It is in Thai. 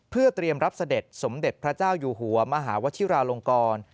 เพื่อเตรียมรับเสด็จสมเด็จพระเจ้าอยู่หัวมหาวชิราลงกร